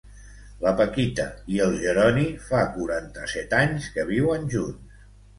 La Paquita i el Geroni fa quaranta-set anys que viuen junts.